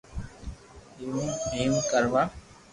اينو ايم ڪروا